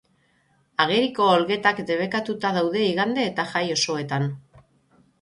Ageriko olgetak debekatuta daude igande eta jai osoetan.